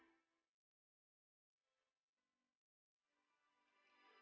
dan yang tahu